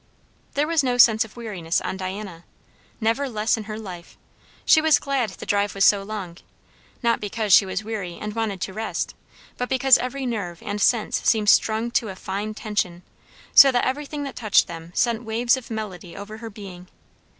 There was no sense of weariness on Diana. Never less in her life. She was glad the drive was so long; not because she was weary and wanted to rest, but because every nerve and sense seemed strung to a fine tension, so that everything that touched them sent waves of melody over her being.